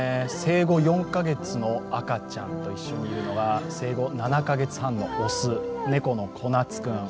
正誤４カ月の赤ちゃんと一緒にいるのは生後７カ月半の雄、猫のこなつ君。